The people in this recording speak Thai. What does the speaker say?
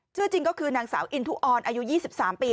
จริงก็คือนางสาวอินทุออนอายุ๒๓ปี